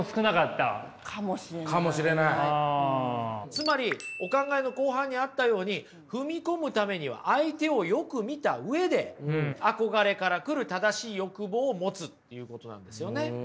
つまりお考えの後半にあったように踏み込むためには相手をよく見た上で憧れから来る正しい欲望を持つっていうことなんですよね。